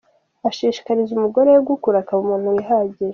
Ashishikariza umugore we gukura akaba umuntu wihagije.